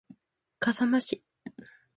笠間市